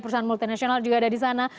perusahaan multinasional juga ada di sana